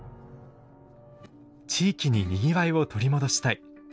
地域ににぎわいを取り戻したい。